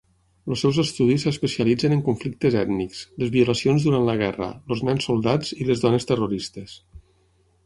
Els seus estudis s'especialitzen en conflictes ètnics, les violacions durant la guerra, els nens soldats i les dones terroristes.